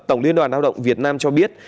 tổng liên đoàn lao động việt nam cho biết